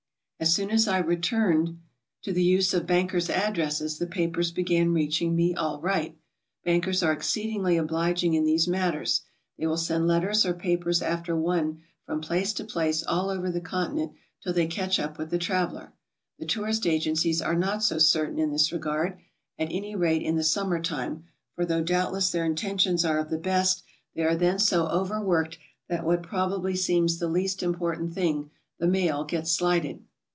As soon as I returned to the use of bankers' addresses, the pa pers began reaching me all right. Bankers are exceedingly obliging in these matters; they will send letters or papers after one from place to place over all the Continent till they catch up with the traveler. The tourist agencies are not so certain in this regard, at any rate in the summer time, for though doubtless their intentions are of the best, they are then so over worked that what probably seems the least im portant thing, the mail, gets slighted.